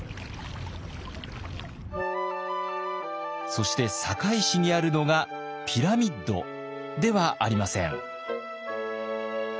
そして堺市にあるのがピラミッド？ではありません。